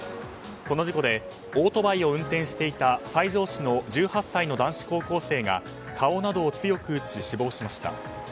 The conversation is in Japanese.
この事故でオートバイを運転していた西条市の１８歳の男子高校生が顔などを強く打ち死亡しました。